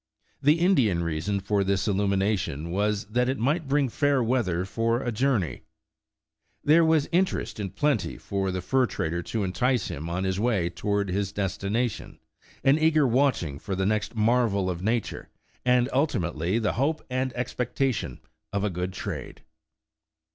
The Indian reason for this illumination was, that it might bring fair weather for a journey. There was interest in plenty for the fur trader to entice him on his way toward his destination, an eager watching for the next marvel of nature, and ultimately the hope and expectation of a good trade.